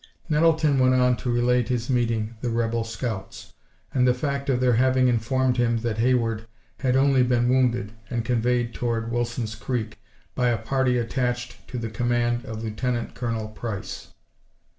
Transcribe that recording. Nettleton went on to relate his meeting the rebel scouts, and the fact of their having informed him that Hayward had only been wounded and conveyed toward Wilson's Creek, by a party attached to the command of Lieutenant Colonel Price.